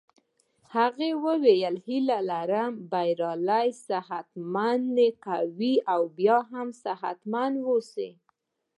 هغه وویل هیله لرم بریالی صحت مند قوي او بیا هم صحت مند اوسې.